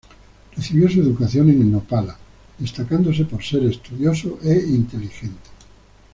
Recibió su educación en Nopala, destacándose por ser estudioso e inteligente.